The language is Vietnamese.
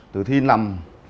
từ thi nằm